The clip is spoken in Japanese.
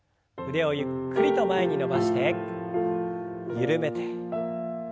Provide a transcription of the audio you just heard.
腕をゆっくりと前に伸ばして緩めて。